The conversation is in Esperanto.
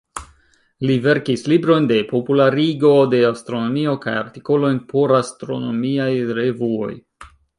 Li verkis librojn de popularigo de astronomio kaj artikolojn por astronomiaj revuoj.